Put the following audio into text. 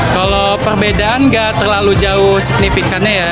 kalau perbedaan nggak terlalu jauh signifikannya ya